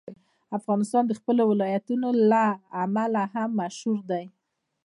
افغانستان د خپلو ولایتونو له امله هم مشهور دی.